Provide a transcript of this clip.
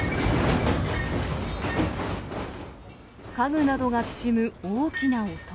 家具などがきしむ大きな音。